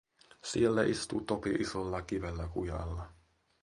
Siellä istuu Topi isolla kivellä kujalla.